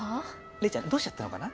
麗ちゃんどうしちゃったのかな？